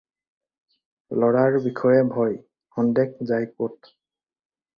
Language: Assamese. ল'ৰাৰ বিষয়ে ভয়, সন্দেহ যায় ক'ত?